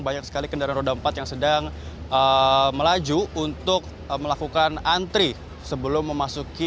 banyak sekali kendaraan roda empat yang sedang melaju untuk melakukan antri sebelum memasuki